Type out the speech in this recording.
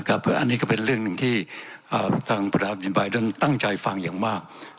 อันนี้ก็เป็นเรื่องหนึ่งที่ทางประชาธิบัยนั้นตั้งใจฟังอย่างมาก